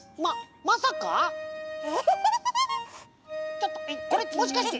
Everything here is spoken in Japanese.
ちょっとこれもしかして。